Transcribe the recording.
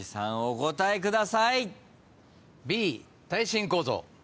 お答えください。